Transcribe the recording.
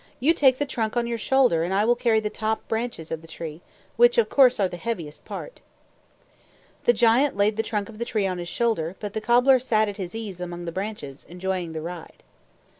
"You take the trunk on your shoulder, and I will carry the top and branches of the tree, which, of course, are the heaviest part." The giant laid the trunk of the tree on his shoulder, but the cobbler sat at his ease among the branches, enjoying the ride.